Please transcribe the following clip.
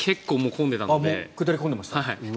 下り混んでました？